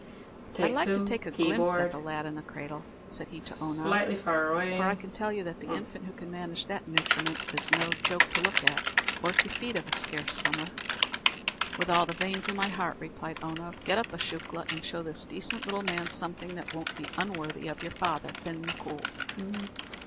"I'd like to take a glimpse at the lad in the cradle," said he to Oonagh; "for I can tell you that the infant who can manage that nutriment is no joke to look at, or to feed of a scarce summer." "With all the veins of my heart," replied Oonagh; "get up, acushla, and show this decent little man something that won't be unworthy of your father, Fin M'Coul."